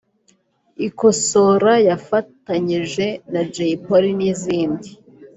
Ikosora yafatanyije na Jay Polly n'izindi